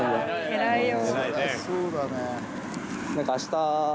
偉いよ。